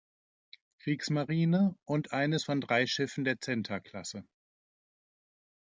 Kriegsmarine und eines von drei Schiffen der Zenta-Klasse.